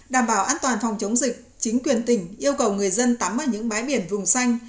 đảm bảo an toàn phòng chống dịch chính quyền tỉnh yêu cầu người dân tắm ở những bãi biển vùng xanh